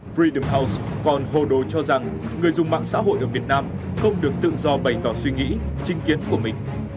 freedom house còn hồ đồ cho rằng người dùng mạng xã hội ở việt nam không được tự do bày tỏ suy nghĩ trinh kiến của mình